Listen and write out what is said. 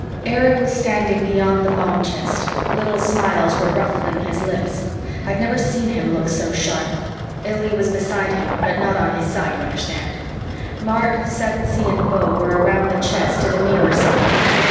Erich was standing beyond the bomb chest; little smiles were ruffling his lips. I'd never seen him look so sharp. Illy was beside him, but not on his side, you understand. Mark, Sevensee and Beau were around the chest to the nearer side.